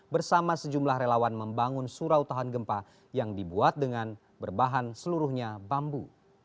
bersama sejumlah relawan membangun surau tahan gempa yang dibuat dengan berbahan seluruhnya bambu